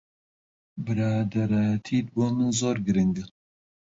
برادەرایەتیت بۆ من زۆر گرنگە.